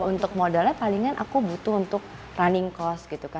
untuk modalnya palingan aku butuh untuk running cost gitu kan